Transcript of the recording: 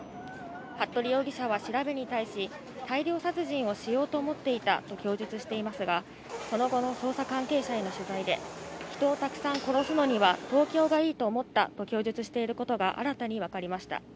服部容疑者は調べに対し、大量殺人をしようと思っていたと供述していますが、その後の捜査関係者への取材で、人をたくさん殺すのには東京がいいと思ったと供述していることが新たに分かりました。